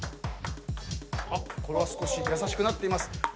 これは少し優しくなっています。